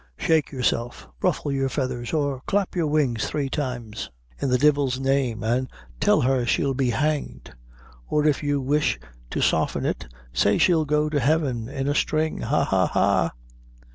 Shake yourself, ruffle your feathers, or clap your wings three times, in the divil's name, an' tell her she'll be hanged; or, if you wish to soften it, say she'll go to Heaven in a string. Ha, ha, ha!"